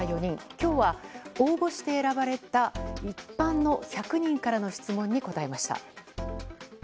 今日は応募して選ばれた一般の１００人からの質問に答えました。